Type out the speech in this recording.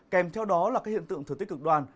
kèm theo đó là các hiện tượng thừa tích cực đoan